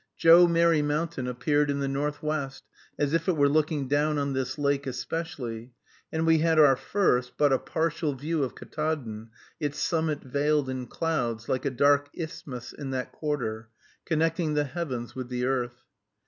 Joe Merry Mountain appeared in the northwest, as if it were looking down on this lake especially; and we had our first, but a partial view of Ktaadn, its summit veiled in clouds, like a dark isthmus in that quarter, connecting the heavens with the earth.